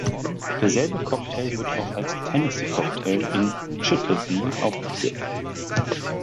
Derselbe Cocktail wird auch als „Tennessee Cocktail“ in „Schüttle sie!“ aufgeführt.